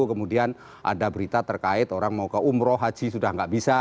kemudian ada berita terkait orang mau ke umroh haji sudah tidak bisa